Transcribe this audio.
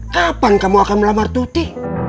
kapan kamu akan melamar tuti